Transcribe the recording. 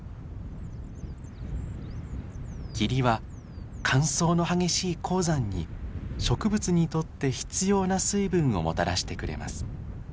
霧は乾燥の激しい高山に植物にとって必要な水分をもたらしてくれます。